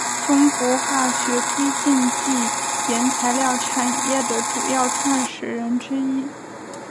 中国化学推进剂原材料产业的主要创始人之一。